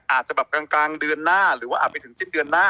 อาจจะแบบกลางเดือนหน้าหรือว่าอาจไปถึงสิ้นเดือนหน้า